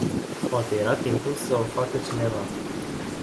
Poate era timpul să o facă cineva.